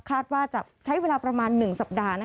คาดว่าจะใช้เวลาประมาณ๑สัปดาห์